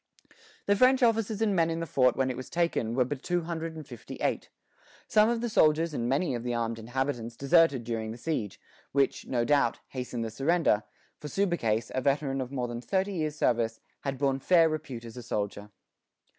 The French officers and men in the fort when it was taken were but two hundred and fifty eight. Some of the soldiers and many of the armed inhabitants deserted during the siege, which, no doubt, hastened the surrender; for Subercase, a veteran of more than thirty years' service, had borne fair repute as a soldier.